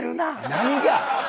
何が？